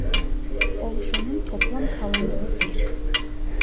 Oluşumun toplam kalınlığı dir.